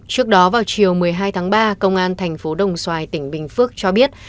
trước đó vào chiều một mươi hai tháng ba công an thành phố đồng xoài tỉnh bình phước cho biết